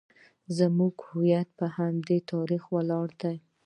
زموږ هویت په همدې تاریخ ولاړ دی